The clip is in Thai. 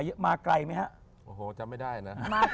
น้องมาไกลเหลือเกิน